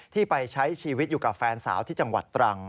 ไปใช้ชีวิตอยู่กับแฟนสาวที่จังหวัดตรัง